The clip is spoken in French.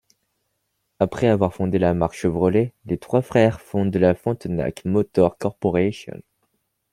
Après avoir fondé la marque Chevrolet, les trois frères fondent la Frontenac Motor Corporation.